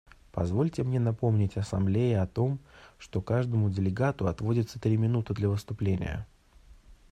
Позвольте мне напомнить Ассамблее о том, что каждому делегату отводится три минуты для выступления.